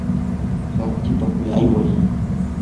rantipakuq ayway.